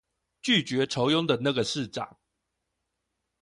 拒絕酬庸的那個市長